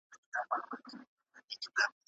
ورور مې له موټر پرته بازار ته هم نه ځي.